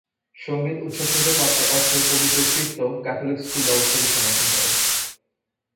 সঙ্গীত উৎসব থেকে প্রাপ্ত অর্থ পবিত্র ত্রিত্ব ক্যাথলিক স্কুল ব্যবস্থাকে সমর্থন করে।